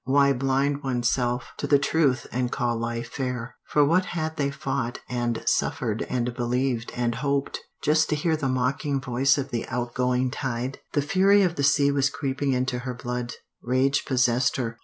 Why blind one's self to the truth and call life fair? For what had they fought and suffered and believed and hoped? Just to hear the mocking voice of the outgoing tide? The fury of the sea was creeping into her blood. Rage possessed her.